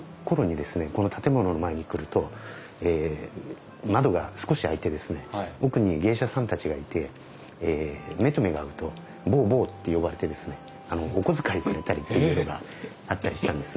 この建物の前に来ると窓が少し開いて奥に芸者さんたちがいて目と目が合うと坊坊って呼ばれてですねお小遣いくれたりっていうことがあったりしたんです。